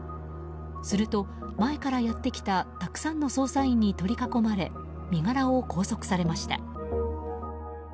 すると、前からやってきたたくさんの捜査員に取り囲まれ身柄を拘束されました。